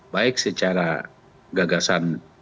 baik secara gagasan